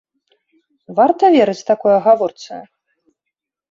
Варта верыць такой агаворцы?